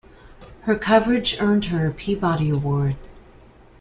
Her coverage earned her a Peabody Award.